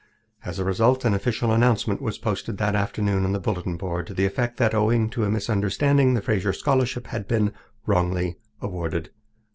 As a result, an official announcement was posted that afternoon on the bulletin board to the effect that, owing to a misunderstanding, the Fraser Scholarship had been wrongly awarded.